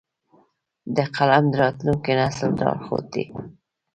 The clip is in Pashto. قلم د راتلونکي نسل لارښود دی